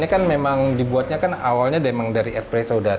ini kan memang dibuatnya kan awalnya dari espresso kan